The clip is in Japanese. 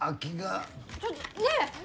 ちょっとねえ！